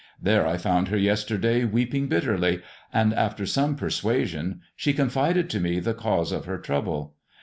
There I found her yesterday weeping bitterly, and after some persuasion she confided to me the cause of her trouble.